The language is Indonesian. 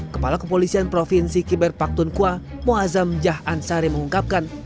kepala kepolisian provinsi kiber patunkwa muazzam jah ansari mengungkapkan